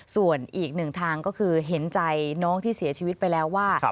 ส่วนอีกหนึ่งทางก็คือเห็นใจน้องที่เสียชีวิตไปแล้วว่า